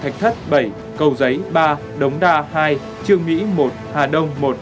bảy cầu giấy ba đống đa hai trường mỹ một hà đông một